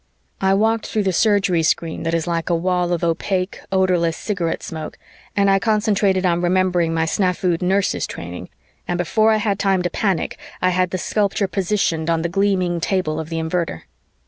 I walked through the Surgery screen that is like a wall of opaque, odorless cigarette smoke and I concentrated on remembering my snafued nurse's training, and before I had time to panic, I had the sculpture positioned on the gleaming table of the Invertor.